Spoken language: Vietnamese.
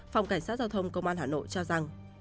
phòng cảnh sát giao thông công an hà nội cho rằng